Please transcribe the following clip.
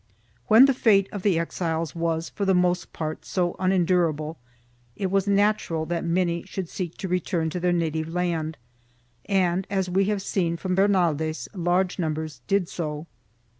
3 When the fate of the exiles was, for the most part, so unendur able, it was natural that many should seek to return to their native land and, as we have seen from Bernaldez, large numbers did so.